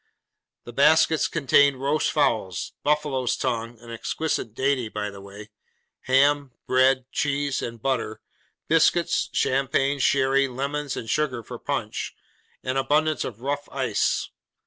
The baskets contained roast fowls, buffalo's tongue (an exquisite dainty, by the way), ham, bread, cheese, and butter; biscuits, champagne, sherry; lemons and sugar for punch; and abundance of rough ice.